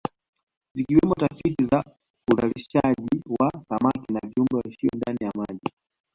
Zikiwemo tafiti za uzalishaji wa samaki na viumbe waishio ndani ya maji